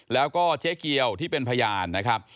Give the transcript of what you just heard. แล้วก็เจ๊เกียวที่เป็นพยานนะครับ